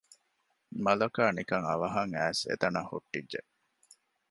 މަލަކާ ނިކަން އަވަހަށް އައިސް އެތަނަށް ހުއްޓިއްޖެ